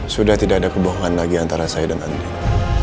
sudah tidak ada kebohongan lagi antara saya dan andri